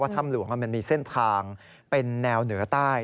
ถ้ำหลวงมันมีเส้นทางเป็นแนวเหนือใต้